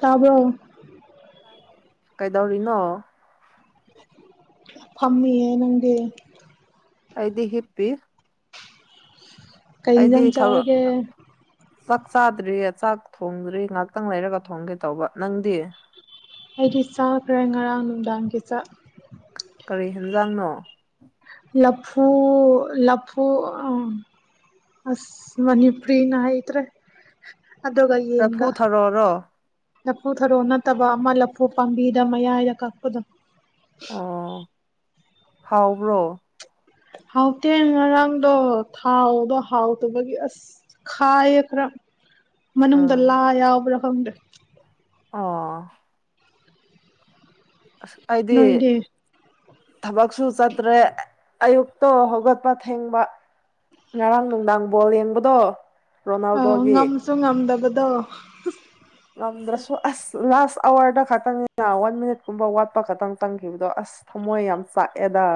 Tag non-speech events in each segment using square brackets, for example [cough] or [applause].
ꯇꯥꯕ꯭ꯔꯣ ꯇꯥꯏꯌꯦ ꯀꯩꯗꯧꯔꯤꯅꯣ ꯐꯝꯃꯤꯌꯦ ꯅꯪꯗꯤ ꯑꯩꯗꯤ ꯍꯤꯞꯄꯤ ꯀꯩ ꯑꯩꯗꯤ ꯏꯟꯖꯥꯡ ꯊꯕꯛ ꯆꯥꯔꯒꯦ ꯆꯥꯛ ꯆꯥꯗ꯭ꯔꯤꯑ ꯆꯥꯛ ꯊꯣꯡꯗ꯭ꯔꯤ ꯉꯍꯥꯛꯇꯪ ꯂꯩꯔꯒ ꯊꯣꯡꯒꯦ ꯇꯧꯕ ꯅꯪꯗꯤ ꯑꯩꯗꯤ ꯆꯥꯈ꯭ꯔꯦ ꯉꯔꯥꯡ ꯅꯨꯡꯗꯥꯡꯒꯤ ꯆꯥꯛ ꯀꯔꯤ ꯌꯦꯟꯖꯥꯡꯅꯣ ꯂꯐꯨ ꯂꯐꯨ ꯑ ꯑꯁ ꯃꯅꯤꯄ꯭ꯔꯤꯅ ꯍꯩꯇ꯭ꯔꯦ ꯑꯗꯨꯒ ꯂꯐꯨ ꯌꯦꯟꯒ ꯊꯔꯣꯔꯣ ꯂꯐꯨ ꯊꯔꯣ ꯅꯠꯇꯕ ꯑꯃ ꯂꯐꯨ ꯄꯥꯝꯕꯤꯗ ꯃꯌꯥꯏꯗ ꯀꯛꯄꯗꯣ ꯑꯣ ꯍꯥꯎꯕ꯭ꯔꯣ ꯍꯥꯎꯇꯦ ꯉꯔꯥꯡꯗꯣ ꯊꯥꯎꯗꯣ ꯍꯥꯎꯇꯕꯒꯤ ꯑꯁ ꯈꯥꯏꯌꯦ ꯈꯔ ꯃꯅꯨꯡꯗ ꯎꯝ ꯂꯥ ꯌꯥꯎꯕ꯭ꯔꯥ ꯈꯪꯗꯦ ꯑꯣ ꯑꯁ ꯑꯩꯗꯤ ꯅꯣꯏꯗꯤ ꯊꯕꯛꯁꯨ ꯆꯠꯇ꯭ꯔꯦ ꯑꯌꯨꯛꯇꯣ ꯍꯧꯒꯠꯄ ꯊꯦꯡꯕ ꯉꯔꯥꯡ ꯅꯨꯡꯗꯥꯡ ꯕꯣꯜ ꯌꯦꯡꯕꯗꯣ ꯔꯣꯅꯥꯜꯗꯣꯒꯤ ꯁꯨ ꯉꯝꯗꯕꯗꯣ ꯉꯝꯗ꯭ꯔꯁꯨ ꯑꯁ ꯂꯥꯁ ꯑꯋꯥꯔꯗ ꯈꯛꯇꯪꯅꯤꯅ ꯋꯥꯟ ꯃꯤꯅꯤꯠꯀꯨꯝꯕ ꯋꯥꯠꯄ ꯈꯛꯇꯪ ꯇꯪꯈꯤꯕꯗꯣ ꯑꯁ ꯊꯃꯣꯏ ꯌꯥꯝ ꯆꯥꯛꯑꯦꯗ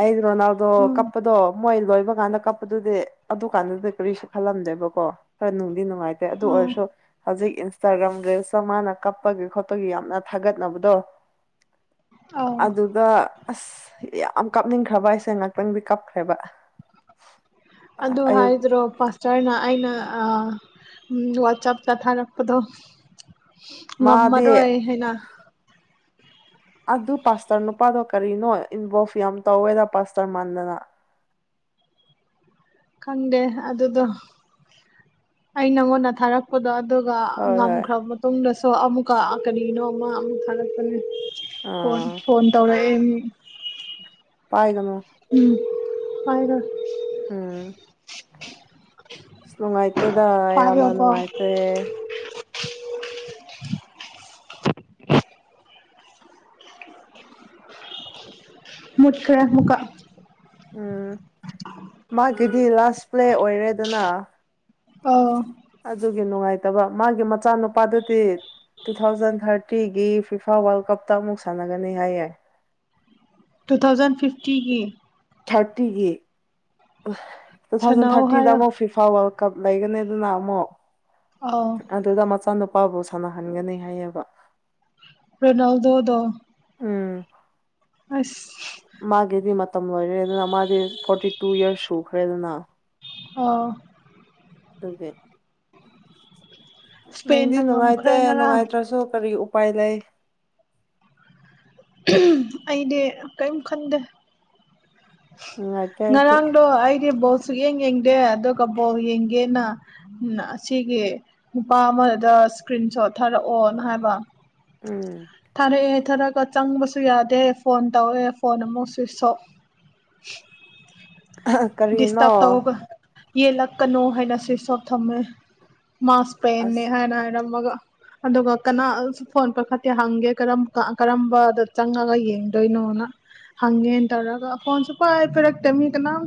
ꯑꯩ ꯔꯣꯅꯥꯜꯗꯣ ꯎꯝ ꯀꯞꯄꯗꯣ ꯃꯣꯏ ꯂꯣꯏꯕ ꯀꯥꯟꯗ ꯀꯞꯄꯗꯨꯗꯤ ꯑꯗꯨ ꯀꯥꯟꯗꯨꯗꯤ ꯀꯔꯤꯁꯨ ꯈꯜꯂꯝꯗꯦꯕꯀꯣ ꯈꯔ ꯅꯨꯡꯗꯤ ꯅꯨꯡꯉꯥꯏꯇꯦ ꯑꯗꯨ ꯎꯝ ꯑꯣꯏꯔꯁꯨ ꯍꯧꯖꯤꯛ ꯏꯟꯁꯇꯥꯒ꯭ꯔꯥꯝ ꯔꯤꯜꯁꯇ ꯃꯥꯅ ꯀꯞꯄꯒꯤ ꯈꯣꯠꯄꯒꯤ ꯌꯥꯝꯅ ꯊꯥꯒꯠꯅꯕꯗꯣ ꯑꯧ ꯑꯗꯨꯒ ꯑꯁ ꯌꯥꯝ ꯀꯥꯞꯅꯤꯡꯈ꯭ꯔꯕ ꯑꯩꯁꯦ ꯉꯥꯛꯇꯪꯗꯤ ꯀꯞꯈ꯭ꯔꯦꯕ ꯑꯗꯨ ꯑꯌꯨꯛ ꯍꯥꯏꯗ꯭ꯔꯣ ꯄꯥꯁ ꯁꯥꯔꯅ ꯑꯩꯅ ꯋꯥꯆꯞ ꯆꯠꯊꯔꯛꯄꯗꯣ ꯃꯥꯗꯤ ꯉꯝꯃꯔꯣ ꯍꯥꯏꯅ ꯑꯗꯨ ꯄꯥꯁꯇꯔ ꯅꯨꯄꯥꯗꯣ ꯀꯔꯤꯅꯣ ꯏꯟꯚꯣꯐ ꯌꯥꯝ ꯇꯧꯋꯦꯗ ꯄꯥꯁꯇꯔ ꯃꯥꯟꯗꯅ ꯈꯪꯗꯦ ꯑꯗꯨꯗꯣ ꯑꯩ ꯅꯪꯉꯣꯟꯗ ꯊꯥꯔꯛ ꯗꯣ ꯑꯗꯨꯒ ꯍꯣꯏ ꯍꯣꯏ ꯉꯝꯈ꯭ꯔꯕ ꯃꯇꯨꯡꯗꯁꯨ ꯑꯃꯨꯛꯀ ꯀꯔꯤꯅꯣ ꯑꯃ ꯑꯃꯨꯛ ꯊꯥꯒꯠꯄꯅꯤ ꯐꯣꯟ ꯑꯥ ꯐꯣꯟ ꯇꯧꯔꯛꯑꯦ ꯃꯤ ꯄꯥꯏꯒꯅꯨ ꯎꯝ ꯄꯥꯏꯔꯣꯏ ꯎꯝ ꯑꯁ ꯅꯨꯡꯉꯥꯏꯇꯦꯗ ꯌꯥꯝꯅ ꯄꯥꯏꯔꯣꯀꯣ ꯅꯨꯡꯉꯥꯏꯇꯦ ꯃꯨꯠꯈꯔꯦ ꯑꯃꯨꯛꯀꯥ ꯎꯝ ꯃꯥꯒꯤꯗꯤ ꯂꯥꯁ ꯄ꯭ꯂꯦ ꯑꯣꯏꯔꯦꯗꯅ ꯑꯥꯎ ꯑꯗꯨꯒꯤ ꯅꯨꯡꯉꯥꯏꯇꯕ ꯃꯥꯒꯤ ꯃꯆꯥꯅꯨꯄꯥꯗꯨꯗꯤ ꯇꯨ ꯊꯥꯎꯖꯟ ꯊꯥꯔꯇꯤꯒꯤ ꯐ꯭ꯔꯤꯐꯥ ꯋꯥꯔꯜ ꯀꯞꯇ ꯑꯃꯨꯛ ꯁꯥꯟꯅꯒꯅꯤ ꯍꯥꯏꯌꯦꯏ ꯇꯨ ꯊꯥꯎꯖꯟ ꯐꯤꯐꯇꯤꯒꯤ ꯊꯥꯔꯇꯤꯒꯤ ꯇꯨ ꯊꯥꯎꯖꯟ ꯁꯥꯟꯅꯧ ꯊꯥꯔꯇꯤꯗ ꯍꯥꯏꯌꯣ ꯑꯃꯨꯛ ꯐꯤ ꯐꯤꯐꯥ ꯋꯥꯔꯗ ꯀꯞ ꯂꯩꯒꯅꯤ ꯑꯗꯨꯗ ꯑꯃꯨꯛ ꯑꯥꯎ ꯑꯗꯨꯗ ꯃꯆꯥꯅꯨꯄꯥꯕꯨ ꯁꯥꯟꯅꯍꯟꯒꯅꯤ ꯍꯥꯏꯌꯦꯕ ꯔ‌ꯣꯅꯜꯗꯣꯗꯣ ꯎꯝ ꯍꯥꯏꯁ ꯃꯥꯒꯤꯗꯤ ꯃꯇꯝ ꯂꯣꯏꯔꯦ ꯑꯗꯨꯅ ꯃꯥꯗꯤ ꯐꯣꯔꯇꯤ ꯇꯨ ꯏꯌꯔꯁ ꯁꯨꯈ꯭ꯔꯦꯗꯅ ꯑꯣ [unintelligible] ꯅꯨꯡꯗꯤ ꯏꯁꯄꯦꯟꯅ ꯉꯝꯈ꯭ꯔꯦ ꯅꯨꯡꯉꯥꯏꯇꯦ ꯉꯔꯥꯡ ꯅꯨꯡꯉꯥꯏꯇ꯭ꯔꯁꯨ ꯀꯔꯤ ꯎꯄꯥꯏ ꯂꯩ ꯎꯝ ꯑꯩꯗꯤ ꯀꯔꯤꯝ ꯈꯟꯗꯦ ꯅꯨꯡꯉꯥꯏꯇ꯭ꯔꯗꯤ ꯉꯔꯥꯡꯗꯣ ꯑꯩꯗꯤ ꯕꯣꯜ ꯁꯨꯛꯌꯦꯡ ꯌꯦꯡꯗꯦ ꯑꯗꯨꯒ ꯕꯣꯜ ꯌꯦꯡꯒꯦꯅ ꯎ ꯑꯁꯤꯒꯤ ꯅꯨꯄꯥ ꯑꯃꯗꯨꯗ ꯏꯁꯀ꯭ꯔꯤꯟ ꯁꯣꯠ ꯊꯥꯔꯛꯑꯣꯅ ꯍꯥꯏꯕ꯫ ꯎꯝ ꯊꯥꯔꯛꯑꯦ ꯊꯥꯔꯛꯒ ꯆꯪꯕꯁꯨ ꯌꯥꯗꯦ ꯐꯣꯟ ꯇꯧꯑꯦ ꯐꯣꯟ ꯑꯃꯨꯛ ꯁꯨꯋꯤꯠꯁ ꯑ‌ꯣꯞ [unintelligible] ꯀꯔꯤꯅꯣ ꯗꯤꯁꯇꯞ ꯇꯧꯕ ꯌꯦꯜꯂꯛꯀꯅꯨ ꯍꯥꯏꯅ ꯁ꯭ꯋꯁꯣꯞ ꯊꯝꯃꯦ ꯃꯥ ꯏꯁꯄꯦꯟꯅꯦ ꯑꯁ ꯍꯥꯏꯅ ꯍꯥꯏꯔꯝꯃꯒ ꯑꯗꯨꯒ ꯀꯅꯥꯁꯨ ꯐꯣꯟ ꯄꯏꯈꯛꯇꯤ ꯍꯪꯒꯦ ꯀꯔꯝꯀꯥ ꯀꯔꯝꯕꯗ ꯆꯪꯉꯒ ꯌꯦꯡꯗꯣꯏꯅꯣꯅ ꯍꯪꯒꯦ ꯇꯧꯔꯒ ꯐꯣꯟꯁꯨꯨꯄꯥꯏ ꯄꯥꯏꯔꯛꯇꯦ ꯃꯤ ꯀꯅꯥꯝ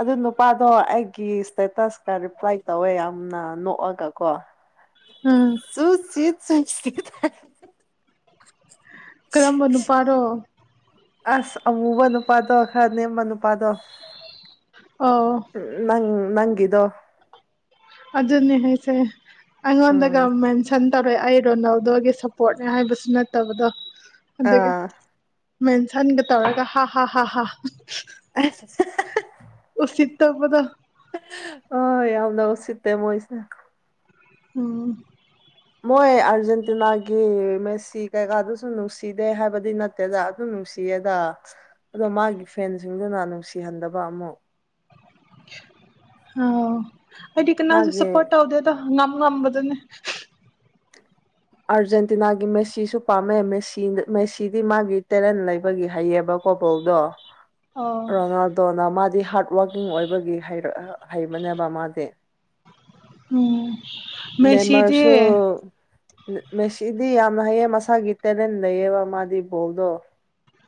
ꯑꯗꯨ ꯅꯨꯄꯥꯗꯣ ꯑꯩꯒꯤ ꯏꯁꯇꯦꯇꯁ ꯇ ꯔꯤꯄ꯭ꯂꯥꯏ ꯇꯧꯋꯦ ꯌꯥꯝꯅ ꯅꯣꯛꯑꯒ ꯀꯣ ꯎꯝ [unintelligible] ꯀꯔꯝꯕ ꯅꯨꯄꯥꯅ‌ꯣ ꯑꯁ ꯑꯃꯨꯕ ꯅꯨꯄꯥꯗꯣ ꯈꯔ ꯅꯦꯝꯕ ꯅꯨꯄꯥꯗꯣ ꯑꯣ ꯎꯝ ꯅꯪ ꯅꯪꯒꯤꯗꯣ ꯑꯗꯨꯅ‌ꯦ ꯍꯥꯏꯁꯦ ꯑꯩꯉ‌ꯣꯟꯗꯒ ꯎꯝ ꯃꯦꯟꯁ‌ꯦꯟ ꯇꯧꯔꯦ ꯑꯩ ꯔꯣꯅꯥꯜꯗꯣꯒꯤ ꯁꯞꯄꯣꯔꯠꯅꯦ ꯍꯥꯏꯕꯁꯨ ꯅꯠꯇꯕꯗꯣ ꯑꯗꯨꯒꯤ ꯑꯥ ꯃꯦꯟꯁꯟꯒ ꯇꯧꯔꯒ ꯍꯥ ꯍꯥ ꯍꯥ ꯍꯥ ꯑ [unintelligible] ꯑꯣ ꯁꯤꯇꯕꯗꯨ ꯑ‌ꯣ ꯌꯥꯝꯅ ꯎꯁꯤꯠꯇꯦ ꯃꯣꯏꯁꯤ ꯎꯝ ꯃꯣꯏ ꯑꯥꯔꯖꯦꯟꯇꯤꯅꯥꯒꯤ ꯃꯦꯁꯤ ꯀꯩꯀꯥꯗꯨꯁꯨ ꯅꯨꯡꯁꯤꯗꯦ ꯍꯥꯏꯕꯗꯤ ꯅꯠ ꯇꯦꯗ ꯑꯗꯨ ꯅꯨꯡꯁꯤꯌꯦꯗ ꯑꯗꯣ ꯃꯥꯒꯤ ꯐꯦꯟꯁꯤꯡꯗꯨꯅ ꯅꯨꯡꯁꯤꯍꯟꯗꯕ ꯑꯃꯨꯛ ꯑ ꯑꯩꯗꯤ ꯀꯅꯥꯁꯨ ꯃꯥꯒꯤ ꯁꯄꯣꯔꯠ ꯇꯧꯗꯦꯗ ꯉꯝ ꯉꯝꯕꯗꯨꯅꯦ ꯑꯥꯔꯖꯦꯟꯇꯤꯅꯥꯒꯤ ꯃꯦꯁꯤꯁꯨ ꯄꯥꯝꯃꯦ ꯃꯦꯁꯤ ꯃꯦꯁꯤꯗꯤ ꯃꯥꯒꯤ ꯇꯦꯂꯦꯟ ꯂꯩꯕꯒꯤ ꯍꯥꯏꯩꯌꯦꯕ ꯀ‌ꯣꯄ‌ꯜꯗꯣ [inaudible] ꯔꯣꯅꯥꯜꯗꯣꯅ ꯃꯥꯗꯤ ꯍꯥꯔꯠ ꯋꯥꯔꯀꯤꯡ ꯑꯣꯏꯕꯒꯤ ꯍꯩꯔ ꯍꯩꯕꯅꯦꯕ ꯃꯥꯗꯤ ꯎꯝ ꯃꯦꯁꯤꯗꯤ ꯅꯦꯃꯔꯁꯨ ꯃꯦꯁꯤꯗꯤ ꯌꯥꯝꯅ ꯍꯩꯌꯦ ꯃꯁꯥꯒꯤ ꯇꯦꯂꯦꯟ ꯂꯩꯌꯦꯕ ꯃꯥꯗꯤ ꯕꯣꯜꯗꯣ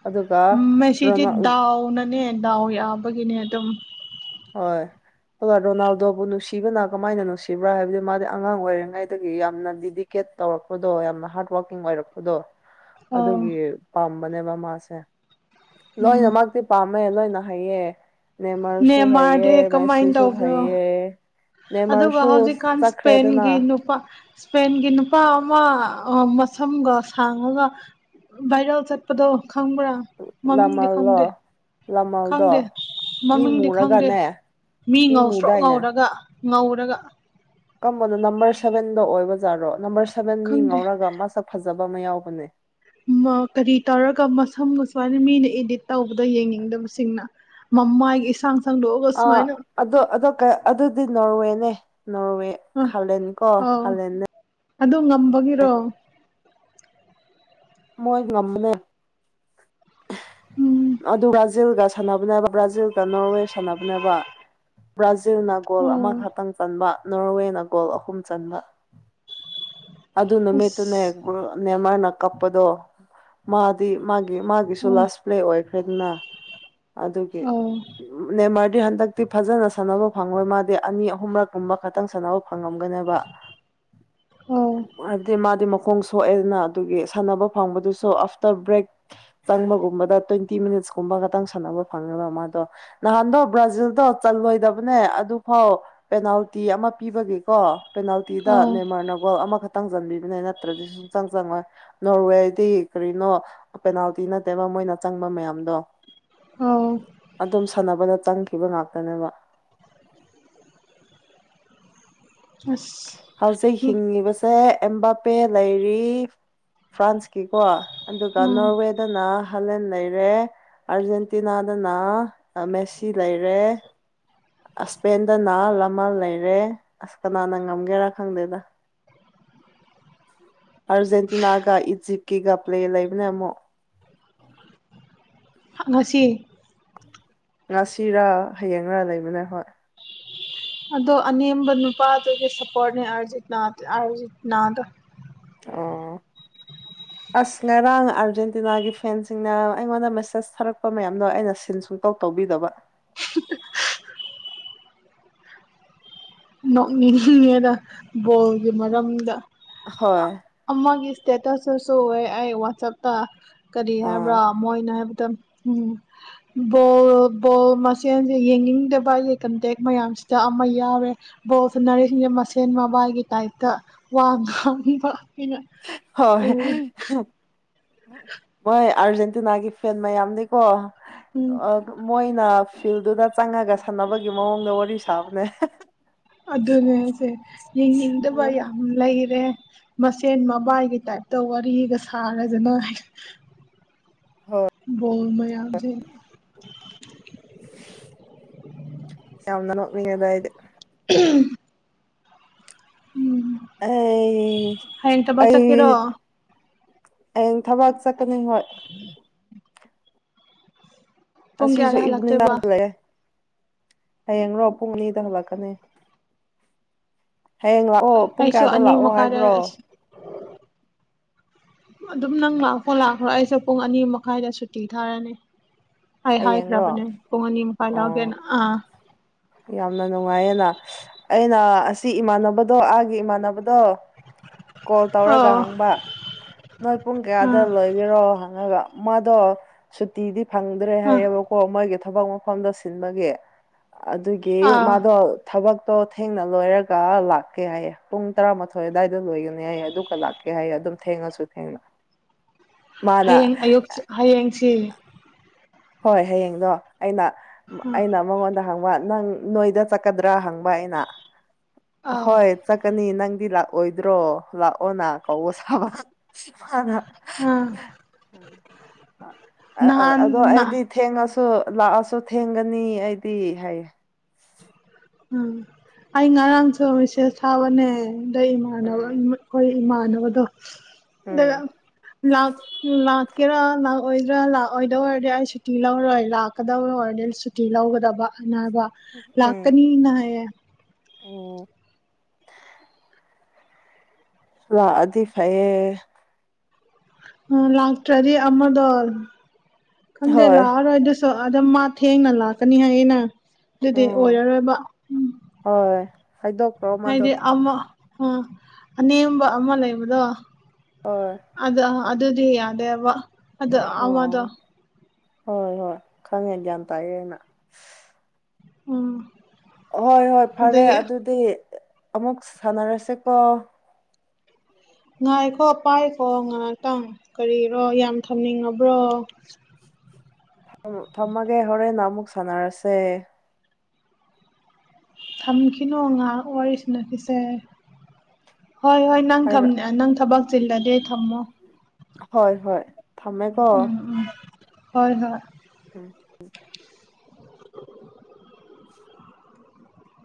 ꯑꯗꯨꯒ ꯎꯝ ꯃ‌ꯦꯁꯤꯗꯤ ꯔꯣꯅꯥꯜ ꯗꯥꯎꯅꯅꯦ ꯗꯥꯎ ꯌꯥꯕꯒꯤꯅꯦ ꯑꯗꯨꯝ ꯍꯣꯏ ꯑꯗꯣ ꯔꯣꯅꯥꯜꯗꯣꯕꯨ ꯅꯨꯡꯁꯤꯕꯅ ꯀꯃꯥꯏꯅ ꯅꯨꯡꯁꯤꯕ꯭ꯔꯥ ꯍꯥꯏꯕꯗꯤ ꯃꯥꯗꯤ ꯑꯉꯥꯡ ꯑꯣꯏꯔꯤꯉꯩꯗꯒꯤ ꯌꯥꯝꯅ ꯗꯤꯗꯤꯛ ꯀꯦꯠ ꯇꯧꯔꯛꯄꯗꯣ ꯌꯥꯝꯅ ꯍꯥꯔꯗ ꯋꯥꯔꯀꯤꯡ ꯑꯣꯏꯔꯛꯄꯗꯣ ꯑꯧ ꯑꯗꯨꯒꯤ ꯄꯥꯝꯕꯅꯦꯕ ꯃꯥꯁꯦ ꯎꯝ ꯂꯣꯏꯅꯃꯛꯇꯤ ꯄꯥꯝ ꯃ‌ꯦ ꯂꯣꯏꯅ ꯍꯥꯏꯌꯦ ꯅ‌ꯦꯃꯥꯔ ꯅꯦꯃꯥꯔꯗꯤ ꯀꯃꯥꯏꯅ ꯇꯧꯕ꯭ꯔꯣ꯫ ꯑꯗꯨꯒ ꯅꯦꯃꯔꯁꯨ ꯍꯧꯖꯤꯛꯀꯥꯟ ꯆꯠꯈ꯭ꯔꯦꯗꯅ ꯏꯁꯄꯦꯟꯒꯤ ꯅꯨꯄꯥ ꯏꯁꯄꯦꯟꯒꯤ ꯅꯨꯄꯥ ꯑꯃ ꯃꯁꯝꯒ ꯁꯥꯡꯉꯒ ꯚꯥꯏꯔꯦꯜ ꯆꯠꯄꯗꯣ ꯈꯪꯕ꯭ꯔꯥ ꯃꯃꯤꯡꯗꯤ ꯈꯪꯗꯦ ꯂꯃꯜꯂꯣ ꯈꯪꯗꯦ ꯂꯃꯜꯗꯣ ꯃꯤ ꯃꯃꯤꯡꯗꯤ ꯈꯪꯗꯦ ꯃꯨꯔꯒꯅꯦ ꯃꯤ ꯉꯧꯁ꯭ꯔꯣꯛ ꯉꯧꯔꯒ ꯉꯧꯔꯒ ꯀꯝꯕꯅꯣ ꯅꯝꯕꯔ ꯁꯚꯦꯟꯗꯣ ꯑꯣꯏꯕꯖꯥꯔꯗꯣ ꯅꯝꯕꯔ ꯁꯚꯦꯟ ꯃꯤ ꯈꯪꯗꯦ ꯉꯧꯔꯒ ꯃꯁꯛ ꯐꯖꯕ ꯑꯃ ꯌꯥꯎꯕꯅꯦ ꯀꯔꯤ ꯇꯧꯔꯒ ꯃꯁꯝꯒ ꯁꯨꯃꯥꯏꯅ ꯃꯤꯅ ꯏꯗꯤꯠ ꯇꯧꯕꯗ ꯌꯦꯡꯅꯤꯡꯗꯕꯁꯤꯡꯅ ꯃꯃꯥꯏ ꯏꯁꯥꯡ ꯑꯥ ꯁꯥꯡꯗꯣꯛꯂꯒꯁꯨꯃꯥꯏꯅ ꯑꯗꯣ ꯑꯗꯣ ꯑꯗꯨꯗꯤ ꯅꯣꯔꯋꯦꯅꯦ ꯅꯣꯔꯋꯦ ꯑ ꯍꯥꯂꯦꯟ ꯀꯣ ꯑꯥꯎ ꯍꯥꯂꯦꯟꯅꯦ ꯑꯗꯨ ꯉꯝꯕꯒꯤꯔꯣ ꯃꯣꯏ ꯉꯝꯕꯅꯦ ꯎꯝ ꯑꯗꯨꯒ ꯕ꯭ꯔꯥꯖꯤꯜꯒ ꯁꯥꯟꯅꯕꯅꯦꯅꯕ ꯕ꯭ꯔꯥꯖꯤꯜꯒ ꯅꯣꯔꯋꯦ ꯁꯥꯟꯅꯕꯅꯦꯅꯕ ꯕ꯭ꯔꯥꯖꯤꯜꯅ ꯒꯣꯜ ꯑꯣ ꯑꯃꯈꯛꯇꯪ ꯆꯟꯕ ꯅꯣꯔꯋꯦꯅ ꯒꯣꯜ ꯑꯍꯨꯝ ꯆꯟꯕ ꯑꯗꯨ ꯅꯨꯃꯤꯠꯇꯨꯅꯦ ꯑꯁ ꯅꯦꯃꯔꯅ ꯀꯞꯄꯗꯣ ꯃꯥꯗꯤ ꯃꯥꯒꯤ ꯃꯥꯒꯤ ꯒꯤꯁꯨ ꯑꯣ ꯂꯥꯁ ꯄ꯭ꯂꯦ ꯑꯣꯏꯈ꯭ꯔꯦꯗꯅ ꯑꯗꯨꯒꯤ ꯑꯣ ꯅꯦꯃꯔꯗꯤ ꯍꯟꯗꯛꯇꯤ ꯐꯖꯅ ꯁꯥꯟꯅꯕ ꯐꯪꯉꯣꯏ ꯃꯥꯗꯤ ꯑꯅꯤ ꯑꯍꯨꯝꯔꯛ ꯀꯨꯝꯕ ꯈꯛꯇꯪ ꯁꯥꯟꯅꯕ ꯐꯪꯉꯝꯒꯅꯦꯕ ꯑꯣ ꯍꯥꯏꯗꯤ ꯃꯥꯗꯤ ꯃꯈꯣꯡ ꯁꯣꯛꯑꯦꯗꯅ ꯑꯗꯨꯒꯤ ꯁꯥꯟꯅꯕ ꯐꯪꯕꯗꯨꯁꯨ ꯑꯥꯐꯇꯔ ꯕ꯭ꯔꯦꯛ ꯆꯪꯕꯒꯨꯝꯕꯗ ꯇ꯭ꯋꯦꯟꯇꯤ ꯃꯤꯅꯠꯁ ꯀꯨꯝꯕ ꯈꯇꯪ ꯁꯥꯟꯅꯕ ꯐꯪꯉꯦꯕ ꯃꯥꯗꯣ ꯅꯍꯟꯗꯣ ꯕ꯭ꯔꯖꯤꯜꯗꯣ ꯆꯜꯂꯣꯏꯗꯕꯅꯦ ꯑꯗꯨꯐꯥꯎ ꯄꯦꯅꯥꯜꯇꯤ ꯑꯃ ꯄꯤꯕꯒꯤꯀꯣ ꯄꯦꯅꯥꯜꯇꯤꯗ ꯑꯣ ꯅꯦꯃꯔꯅ ꯒꯣꯜ ꯑꯃ ꯈꯇꯪ ꯆꯟꯕꯤꯕꯅꯦ ꯅꯠꯇ꯭ꯔꯗꯤ ꯁꯨꯡꯆꯪ ꯆꯪꯉꯣꯏ ꯅꯣꯔꯋꯦꯗꯤ ꯀꯔꯤꯅꯣ ꯄꯦꯅꯥꯜꯇꯤ ꯅꯠꯇꯦꯕ ꯃꯣꯏꯅ ꯆꯪꯕ ꯃꯌꯥꯝꯗꯣ ꯑꯧ ꯑꯗꯨꯝ ꯁꯥꯟꯅꯕꯗ ꯆꯪꯈꯤꯕ ꯉꯥꯛꯇꯅꯦꯕ꯫ ꯑꯁ ꯍꯧꯖꯤꯛ ꯍꯤꯡꯉꯤꯕꯁꯦ ꯑꯦꯝꯕꯥꯄꯦ ꯂꯩꯔꯤ ꯐ꯭ꯔꯥꯟꯁꯀꯤꯀꯣ ꯑꯗꯨꯒ ꯎꯝ ꯅꯣꯔꯋꯦ ꯍꯥꯂꯦꯟ ꯂꯩꯔꯦ ꯑꯥꯔꯖꯦꯟꯇꯤꯅꯥꯗꯅ ꯃꯦꯁꯤ ꯂꯩꯔꯦ ꯑꯤꯁꯄꯦꯟꯗꯅ ꯌꯥꯃꯜ ꯂꯩꯔꯦ ꯑꯁ ꯀꯅꯥꯅ ꯉꯝꯒꯦꯔꯥ ꯈꯪꯗꯦꯗ ꯑꯥꯔꯖꯦꯟꯇꯤꯅꯥꯒ ꯏꯖꯤꯞꯀꯤꯒ ꯄ꯭ꯂꯦ ꯂꯩꯕꯅꯦ ꯑꯃꯨꯛ ꯉꯁꯤ ꯉꯥꯁꯤꯔꯥ ꯍꯌꯦꯡꯂꯥ ꯂꯩꯕꯅꯦ ꯍꯣꯏ ꯑꯗꯣ ꯑꯅꯦꯝꯕ ꯅꯨꯄꯥꯗꯨꯒꯤ ꯁꯞꯄꯣꯔꯠꯅꯦ ꯑꯥꯔꯖꯦꯟꯇꯤꯅꯥ ꯑꯥꯔꯖꯦꯟꯇꯤꯅꯥꯗꯣ꯫ ꯑꯣ [unintelligible] ꯑꯁ ꯉꯔꯥꯡ ꯑꯥꯔꯖꯦꯟꯇꯤꯅꯥꯒꯤ ꯐꯦꯟꯁꯤꯡꯅ ꯑꯩꯉꯣꯟꯗ ꯃꯦꯁꯦꯁ ꯊꯥꯔꯛꯄ ꯃꯌꯥꯝꯗꯣ ꯑꯩꯅ ꯁꯤꯟ ꯁꯨ ꯁꯨꯡ ꯇꯧ ꯇꯧꯕꯤꯗꯕ꯫ ꯅꯣꯛ ꯅꯤꯡꯉꯤꯗ ꯕꯣꯜꯒꯤ ꯃꯔꯝꯗ ꯍꯣꯏ ꯑꯃꯒꯤ ꯏꯁꯇꯦꯇꯁꯇꯁꯨ ꯎꯑꯦ ꯑꯩ ꯋꯥꯆꯞꯇ ꯀꯔꯤ ꯑꯥ ꯍꯥꯏꯕ꯭ꯔꯥ ꯃꯣꯏꯅ ꯍꯥꯏꯕꯗ [unintelligible] ꯕꯣꯜ ꯕꯣꯜ ꯃꯁꯦꯟꯁꯦ ꯌꯦꯡꯅꯤꯡꯗꯕ ꯑꯩꯒꯤ ꯀꯟꯇꯦꯛ ꯃꯌꯥꯝꯁꯤꯗ ꯑꯃ ꯌꯥꯎꯔꯦ ꯕꯣꯁꯅꯔꯤꯦ ꯃꯁꯦꯟ ꯃꯕꯥꯏꯒꯤ ꯇꯥꯏꯞꯇ ꯋꯥꯥ ꯉꯥꯡꯕ [unintelligible] ꯑꯣ꯫ ꯍꯣꯏ ꯑꯥꯔꯖꯦꯟꯇꯤꯅꯥꯒꯤ ꯐꯦꯟ ꯃꯌꯥꯝꯅꯤꯀꯣ ꯎꯝ ꯃꯣꯏꯅ ꯐꯤꯜꯗꯨꯗ ꯆꯪꯉꯒ ꯁꯥꯟꯅꯕꯒꯤ ꯃꯑꯣꯡꯗ ꯋꯥꯔꯤ ꯁꯥꯕꯅꯦ ꯑꯗꯨꯅꯦꯁꯦ ꯍꯣꯏ ꯌꯦꯡꯅꯤꯡꯗꯕꯌꯥꯝꯅ ꯂꯩꯔꯦ ꯃꯁꯦꯟ ꯃꯕꯥꯏꯒꯤ ꯇꯥꯏꯞꯇ ꯋꯥꯔꯤꯒ ꯁꯥꯔꯗꯅ ꯕꯣꯜ ꯃꯌꯥꯝꯖꯦ ꯆꯝꯅ ꯅꯣꯛꯅꯤꯉꯦꯗ ꯑꯩꯗꯤ [unintelligible] ꯎꯝ ꯑꯩ ꯍꯌꯦꯡ ꯊꯕꯛ ꯑꯩ ꯆꯠꯀꯦꯔꯣ ꯍꯌꯦꯡ ꯊꯕꯛ ꯆꯠꯀꯅꯤ ꯍꯣꯏ ꯄꯨꯡ ꯉꯁꯤꯁꯨ ꯀꯌꯥꯗ ꯏꯚꯅꯤꯡꯗ ꯍꯜꯂꯛꯇꯣꯏꯕ ꯍꯜꯂꯛꯑꯦ ꯍꯌꯦꯡꯂꯣ ꯄꯨꯡ ꯑꯅꯤꯗ ꯍꯜꯂꯛꯀꯅꯤ꯫ ꯍꯌꯦꯡ ꯂꯥꯛꯑꯣ ꯄꯨꯡ ꯑꯩꯁꯨ ꯀꯌꯥꯗ ꯑꯅꯤ ꯂꯥꯛꯑꯣ ꯍꯥꯏꯕ꯭ꯔꯣ ꯃꯈꯥꯏꯗ ꯑꯗꯨꯝ ꯅꯪ ꯂꯥꯛꯈ꯭ꯔꯣ ꯂꯥꯛꯈ꯭ꯔꯣ ꯑꯩꯁꯨ ꯄꯨꯡ ꯑꯅꯤ ꯃꯈꯥꯏꯗ ꯁꯨꯇꯤ ꯊꯥꯔꯅꯤ ꯑꯩ ꯍꯥꯏꯈ꯭ꯔꯕꯅꯦ ꯍꯌꯦꯡꯔꯣ ꯄꯨꯡ ꯑꯅꯤ ꯃꯈꯥꯏ ꯑꯣ ꯂꯥꯛꯀꯦꯅ ꯑꯥ ꯌꯥꯝꯅ ꯅꯨꯡꯉꯥꯏꯌꯦꯅ ꯑꯩꯅ ꯑꯁꯤ ꯏꯃꯥꯟꯅꯕꯗꯣ ꯑꯥꯒꯤ ꯏꯃꯥꯟꯅꯕꯗꯣ ꯀꯣꯜ ꯇꯧꯔꯒ ꯑꯣ ꯍꯪꯕ ꯅꯣꯏ ꯄꯨꯡ ꯑꯥ ꯀꯌꯥꯗ ꯂꯣꯏꯒꯦꯔꯣ ꯍꯪꯉꯒ ꯃꯥꯗꯣ ꯁꯨꯇꯤꯗꯤ ꯐꯪꯗ꯭ꯔꯦ ꯑꯥ ꯍꯥꯏꯌꯦꯕ ꯍꯣ ꯃꯣꯏꯒꯤ ꯊꯕꯛ ꯃꯐꯝꯗ ꯁꯤꯟꯕꯒꯤ ꯑꯗꯨꯒꯤ ꯑꯥ ꯃꯥꯗꯣ ꯊꯕꯛꯇꯣ ꯊꯦꯡꯅ ꯂꯣꯏꯔꯒ ꯂꯥꯛꯀꯦ ꯍꯥꯏꯌꯦꯦ ꯄꯨꯡ ꯇꯔꯥꯃꯥꯊꯣꯏ ꯑꯋꯥꯏꯗ ꯂꯣꯏꯒꯅꯤ ꯍꯥꯏꯌꯦ ꯑꯗꯨꯒ ꯂꯥꯛꯀꯦ ꯀꯩ ꯍꯥꯏꯒꯦ ꯑꯗꯨꯝ ꯊꯦꯡꯉꯁꯨ ꯊꯦꯡꯅ ꯃꯥꯅ ꯍꯌꯦꯡ ꯑꯌꯨꯛ ꯍꯌꯦꯡꯁꯤ ꯍꯣꯏ ꯍꯌꯦꯡꯗꯣ ꯑꯩꯅ ꯑꯩꯅ ꯃꯉꯣꯟꯗ ꯍꯪꯕ ꯅꯪ ꯅꯣꯏꯗꯥ ꯆꯠꯀꯗ꯭ꯔꯥ ꯍꯪꯕ ꯑꯩꯅꯥ ꯑꯥ ꯍꯣꯏ ꯆꯠꯀꯅꯤ ꯅꯪꯗꯤ ꯂꯥꯛꯑꯣꯏꯗ꯭ꯔꯣ ꯂꯥꯛꯑꯣꯅ ꯀꯧꯕ ꯁꯥꯕꯅ ꯑꯥ ꯅꯍꯥꯟ ꯑꯣ ꯊꯦꯡꯉꯁꯨ ꯂꯥꯛꯑꯁꯨ ꯊꯦꯡꯒꯅꯤ ꯑꯩꯗꯤ ꯍꯥꯏꯌꯦ ꯎꯝ ꯑꯩ ꯉꯔꯥꯡꯁꯨ ꯃꯤꯁꯦꯁ ꯊꯥꯕꯅꯦ ꯑꯗ ꯏꯃꯥꯟꯅꯕ ꯎꯝ ꯑꯩꯈꯣꯏ ꯏꯃꯥꯟꯅꯕꯗꯣ ꯗ ꯎꯝ ꯂꯥꯛ ꯂꯥꯛ ꯀꯦꯔꯥ ꯂꯥꯛꯑꯣꯏꯗ꯭ꯔꯥ ꯂꯥꯛꯑꯣꯏꯗꯧ ꯑꯣꯏꯔꯗꯤ ꯑꯩ ꯁꯨꯇꯤ ꯂꯧꯔꯣꯏ ꯂꯥꯛꯀꯗꯧ ꯑꯣꯏꯔꯗꯤ [unintelligible] ꯂꯧꯒꯗꯕ ꯑꯅꯥꯕ ꯎꯝ ꯂꯥꯛꯀꯅꯤꯅ ꯍꯥꯢꯌꯦ꯫ ꯎꯝ ꯂꯥꯛꯑꯗꯤ ꯐꯩꯌꯦ꯫ ꯑ ꯂꯥꯛꯇ꯭ꯔꯗꯤ ꯑꯃꯗꯣ ꯈꯪꯗꯦ ꯍꯣꯏ ꯂꯥꯛꯑꯔꯣꯏ ꯗ ꯑ ꯑꯗꯨ ꯃꯥ ꯊꯦꯡꯅ ꯂꯥꯛꯀꯅꯤ ꯍꯥꯏꯌꯦꯅꯦ ꯑꯗꯨꯗꯤ ꯎꯝ ꯑꯣꯏꯔꯔꯣꯏꯕ꯫ ꯍꯣꯏ ꯍꯥꯏꯗꯣꯈ꯭ꯔꯣ꯫ ꯍꯥꯏꯗꯤ ꯑꯃ ꯑꯅꯦꯝꯕ ꯑꯃ ꯂꯩꯕꯗꯣ [unintelligible] ꯑꯗ ꯑꯗꯨꯗꯤ ꯌꯥꯗꯦꯕ ꯑꯗꯣ ꯑꯃꯗꯣ ꯑꯣ ꯍꯣꯏ ꯍꯣꯏ ꯈꯪꯉꯦ ꯒ꯭ꯌꯥꯟ ꯇꯥꯏꯌꯦꯦ ꯑꯅ ꯎꯝ꯫ ꯍꯣꯏ ꯍꯣꯏ ꯐꯔꯦ ꯑꯗꯒꯤ ꯑꯗꯨꯗꯤ ꯑꯃꯨꯛ ꯁꯥꯟꯅꯔꯁꯦꯀꯣ꯫ ꯉꯥꯏꯈꯣ ꯄꯥꯏꯈꯣ ꯉꯥꯏꯍꯥꯛꯇꯪ ꯀꯔꯤꯔꯣ ꯌꯥꯝ ꯊꯝꯅꯤꯡꯉꯕ꯭ꯔꯣ ꯊꯝꯃꯒꯦ ꯍꯣꯔꯦꯟ ꯅ ꯑꯃꯨꯛ ꯁꯥꯟꯅꯔꯁꯦ ꯊꯝꯈꯤꯅꯣꯉꯥ ꯎꯔꯤ ꯆꯅꯥꯈꯤꯁꯦ ꯍ ꯍ ꯅꯪ ꯅꯪ ꯊꯕꯛ ꯆꯤꯜꯂꯗꯤ ꯊꯝꯃꯣ꯫ ꯍꯣꯏ ꯍꯣꯏ ꯊꯝꯃꯦꯀꯣ꯫ ꯎꯝ ꯎꯝ ꯍꯣꯏ ꯍꯣꯏ ꯎꯝ ꯎꯝ꯫